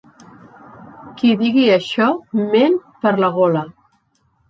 Qui digui això, ment per la gola.